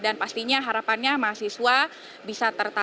dan pastinya harapannya mahasiswa bisa tertutup